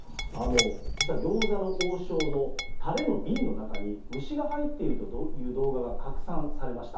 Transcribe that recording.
実は餃子の王将のたれの瓶の中に虫が入っているという動画が拡散されました。